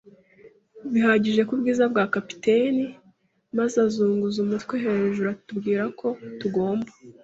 bihagije kubwiza bwa capitaine, maze azunguza umutwe hejuru atubwira ko "tugomba